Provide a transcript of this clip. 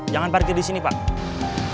jangan pergi disini pak